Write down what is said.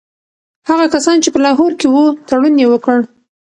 هغه کسان چي په لاهور کي وو تړون یې وکړ.